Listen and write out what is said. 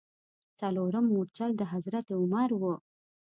څلورم مورچل د حضرت عمر و.